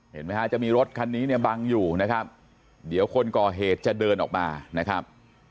เห็นไหมฮะจะมีรถคันนี้เนี่ยบังอยู่นะครับเดี๋ยวคนก่อเหตุจะเดินออกมานะครับ